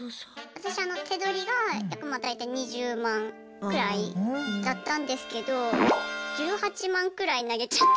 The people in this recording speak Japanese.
私手取りが約まあ大体２０万くらいだったんですけど１８万くらい投げちゃった。